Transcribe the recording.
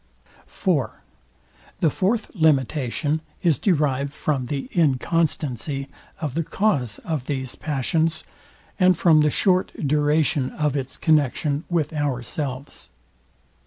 IV. The fourth limitation is derived from the inconstancy of the cause of these passions, and from the short duration of its connexion with ourselves.